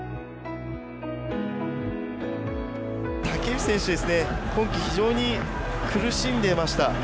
竹内選手ですね、今季非常に苦しんでいました。